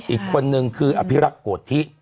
อีกคนนึงคืออภิรักษ์โกธิ